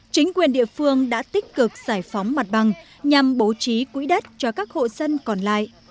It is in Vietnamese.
chính quyền địa phương đã tích cực giải phóng mặt bằng nhằm bố trí quỹ đất cho các hộ dân còn lại